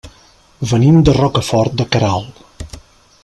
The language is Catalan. Venim de Rocafort de Queralt.